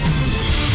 di segian berikutnya